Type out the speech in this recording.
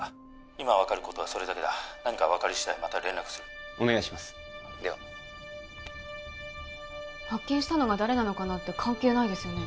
☎今分かることはそれだけだ何か分かり次第また連絡するお願いしますでは発見したのが誰なのかなんて関係ないですよね？